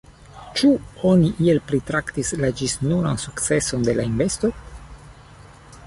Ĉu oni iel pritaksis la ĝisnunan sukceson de la investo?